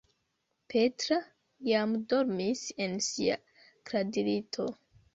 Petra jam dormis en sia kradlito.